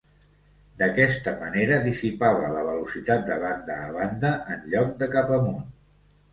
D'aquesta manera dissipava la velocitat de banda a banda en lloc de cap amunt.